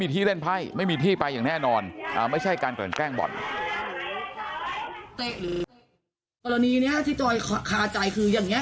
กรณีนี้ที่จอยคาใจคืออย่างนี้